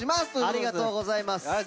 ありがとうございます。